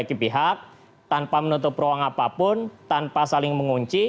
sebagai pihak tanpa menutup ruang apapun tanpa saling mengunci